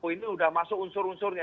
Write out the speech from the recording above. ini sudah masuk unsur unsurnya